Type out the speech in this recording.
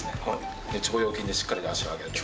腸腰筋でしっかり足を上げると。